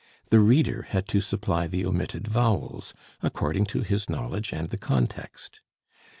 The reader had to supply the omitted vowels according to his knowledge and the context.